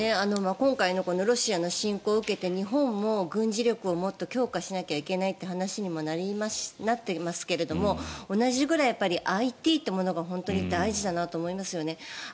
今回このロシアの侵攻を受けて日本も軍事力をもっと強化しなきゃいけないという話になっていますが同じぐらいＩＴってものが本当に大事だなと思いますね。